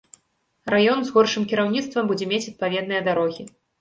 Раён з горшым кіраўніцтвам будзе мець адпаведныя дарогі.